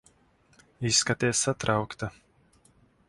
Izskaties satraukta.